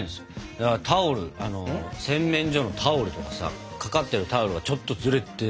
だからタオル洗面所のタオルとかさ掛かってるタオルがちょっとずれてても嫌だからさ。